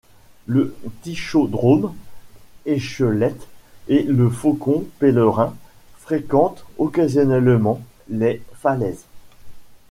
Le Tichodrome échelette et le Faucon pèlerin fréquentent occasionnellement les falaises.